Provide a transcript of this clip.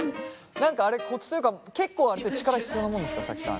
何かあれコツというか結構あれって力必要なもんですかＳａｋｉさん。